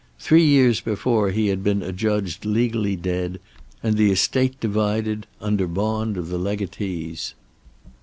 Three years before he had been adjudged legally dead, and the estate divided, under bond of the legatees.